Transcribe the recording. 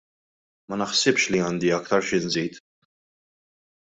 Ma naħsibx li għandi aktar xi nżid.